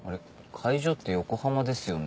会場って横浜ですよね？